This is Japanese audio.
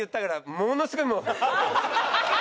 ものすごいもう。